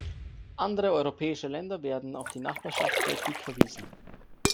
Andere europäische Länder werden auf die Nachbarschaftspolitik verwiesen.